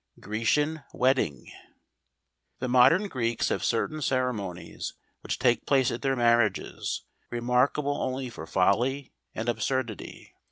Grecian Wedding . The modern Greeks have certain ceremonies 'which take place at their marriages, remarkable only for f<?lly and absurdity.